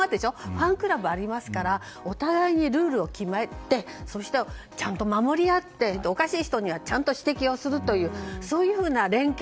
ファンクラブ、ありますからお互いにルールを決めてそして、ちゃんと守り合っておかしい人にはちゃんとして気をするというふうな連携